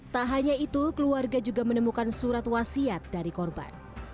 tak hanya itu keluarga juga menemukan surat wasiat dari korban